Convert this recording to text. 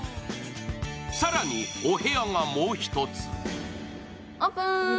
更に、お部屋がもう１つ。